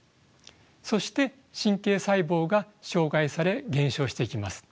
そして神経細胞が障害され減少していきます。